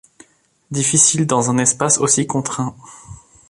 Difficile dans un espace aussi contraint.